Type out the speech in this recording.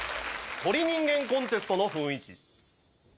鳥人間コンテストの雰囲気。